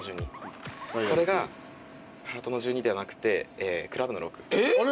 これがハートの１２ではなくてクラブの６。えっ！？